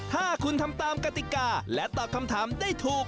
ถ้าคุณทำตามกติกาและตอบคำถามได้ถูก